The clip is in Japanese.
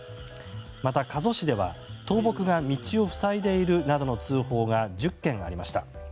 また、加須市では倒木が道を塞いでいるなどの通報が１０件ありました。